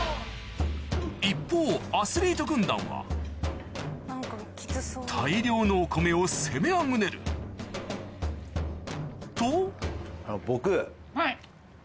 一方アスリート軍団は大量のお米を攻めあぐねると僕。